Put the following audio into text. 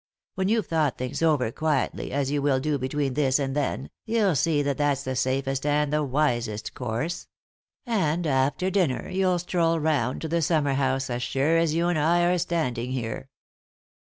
When you've thought things over quietly, as you will do between this and then, you'll see that that's the safest and the wisest course ; and, after dinner, you'll stroll round to the summer house as sure as you and I are standing here."